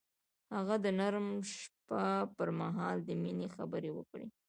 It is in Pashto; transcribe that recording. هغه د نرم شپه پر مهال د مینې خبرې وکړې.